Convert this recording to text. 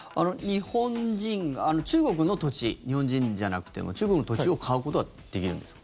中国の土地日本人じゃなくても中国の土地を買うことはできるんですか？